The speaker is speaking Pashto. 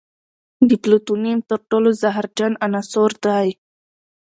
د پلوتونیم تر ټولو زهرجن عنصر دی.